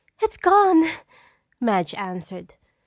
"It's gone!" Madge answered.